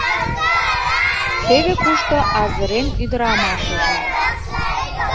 Теве кушто азырен ӱдырамашыже!